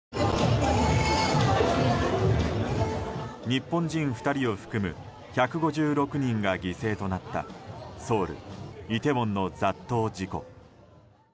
日本人２人を含む１５６人が犠牲となったソウル・イテウォンの雑踏事故。